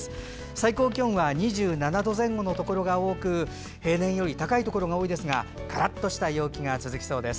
最高気温は２７度前後のところが多く平年より高いところが多いですがカラッとした陽気が続きそうです。